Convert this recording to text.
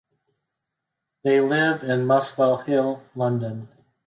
They live in Muswell Hill, London.